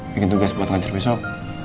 bikin tugas buat ngajar besok